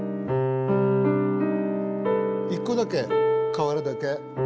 １個だけ変わるだけ。